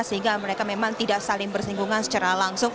sehingga mereka memang tidak saling bersinggungan secara langsung